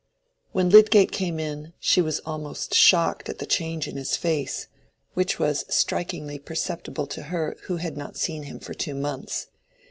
When Lydgate came in, she was almost shocked at the change in his face, which was strikingly perceptible to her who had not seen him for two months.